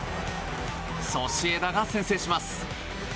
ソシエダが先制します。